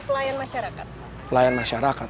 pelayan masyarakat pelayan masyarakat